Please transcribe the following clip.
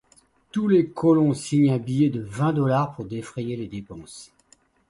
Tous les colons signent un billet de vingt dollars pour défrayer les dépenses.